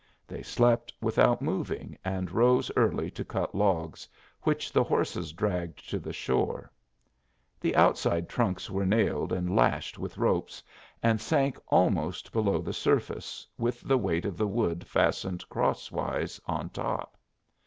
They slept without moving, and rose early to cut logs, which the horses dragged to the shore. The outside trunks were nailed and lashed with ropes, and sank almost below the surface with the weight of the wood fastened crosswise on top.